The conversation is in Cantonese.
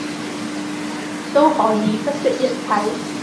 都可以不惜一切